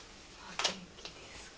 お元気ですか？